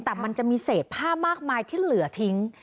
แต่มันจะมีเศษผ้ามากมายที่เหลือทิ้ง